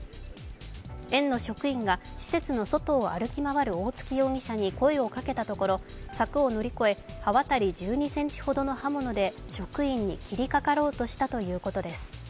園の職員が施設の外を歩き回る大槻容疑者に声をかけたところ柵を乗り越え、刃渡り１２ｃｍほどの刃物で職員に切りかかろうとしたということです。